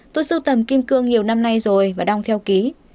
tôi sưu tầm kim cương nhiều năm nay rồi và đang theo ký